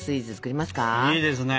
いいですね！